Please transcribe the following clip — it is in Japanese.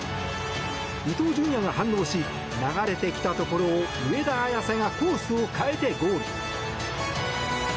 伊東純也が反応し流れてきたところを上田綺世がコースを変えてゴール！